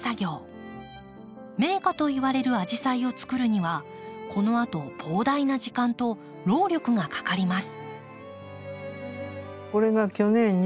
名花といわれるアジサイをつくるにはこのあと膨大な時間と労力がかかります。